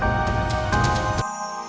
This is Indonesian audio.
kamu ottgenes memang waktuarents ya